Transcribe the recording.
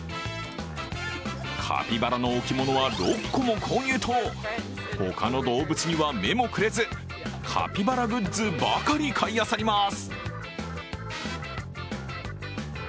カピバラの置物は６個も購入と他の動物には目もくれず、カピバラグッズばかり買いあさります。